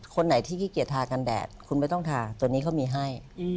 คนไหนที่ขี้เกียจทากันแดดคุณไม่ต้องทาตัวนี้เขามีให้